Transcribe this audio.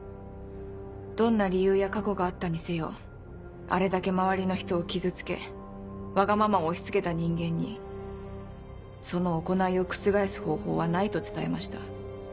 どんな理由や過去があったにせよあれだけ周りの人を傷つけわがままを押し付けた人間にその行いを覆す方法はないと伝えました。